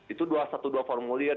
itu dua satu dua formulir